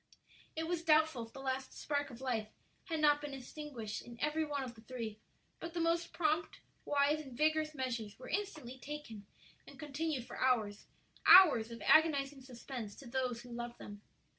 It was doubtful if the last spark of life had not been extinguished in every one of the three; but the most prompt, wise, and vigorous measures were instantly taken and continued for hours hours of agonizing suspense to those who loved them.